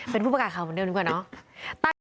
เป็นผู้ประกาศข่าวเหมือนเดิมดีกว่าเนอะ